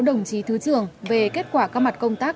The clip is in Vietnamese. đồng chí thứ trưởng về kết quả các mặt công tác